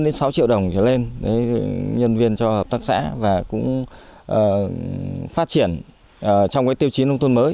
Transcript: lên sáu triệu đồng trở lên nhân viên cho hợp tác xã và cũng phát triển trong cái tiêu chí nông thôn mới